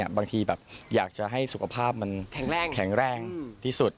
บางทีแบบอยากจะให้สุขภาพมันแข็งแรงที่สุด